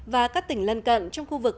và các tỉnh lân cận trong khu vực